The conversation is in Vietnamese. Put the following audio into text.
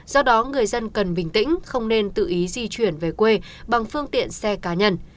do đó người dân cần bình tĩnh không nên tự ý di chuyển về quê bằng phương tiện xe cá nhân